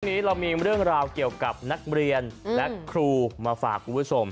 วันนี้เรามีเรื่องราวเกี่ยวกับนักเรียนและครูมาฝากคุณผู้ชม